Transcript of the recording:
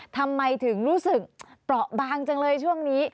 ทำไมถึงรู้สึกเปราะบางจังเลยช่วงนี้